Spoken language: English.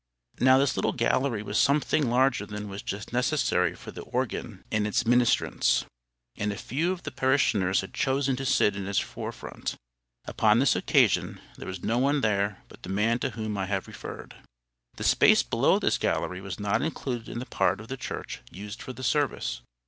Now this little gallery was something larger than was just necessary for the organ and its ministrants, and a few of the parishioners had chosen to sit in its fore front. Upon this occasion there was no one there but the man to whom I have referred. The space below this gallery was not included in the part of the church used for the service.